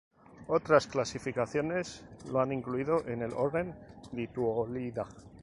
Otras clasificaciones lo han incluido en el Orden Lituolida.